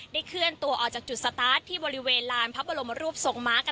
เคลื่อนตัวออกจากจุดสตาร์ทที่บริเวณลานพระบรมรูปทรงม้ากัน